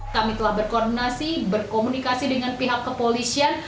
kami telah berkoordinasi berkomunikasi dengan pihak kepolisian